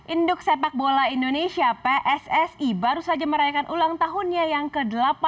induk sepak bola indonesia pssi baru saja merayakan ulang tahunnya yang ke delapan